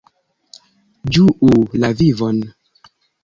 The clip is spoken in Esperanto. Ĝuu la vivon!